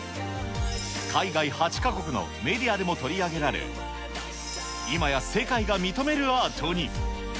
海外８か国のメディアでも取り上げられ、今や、世界が認めるアートに。